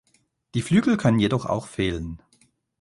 Die Flügel können jedoch auch fehlen.